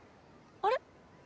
あれ？